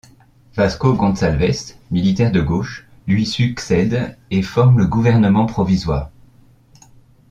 Vasco Gonçalves, militaire de gauche, lui succède et forme le gouvernement provisoire.